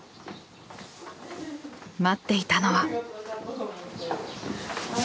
待っていたのは。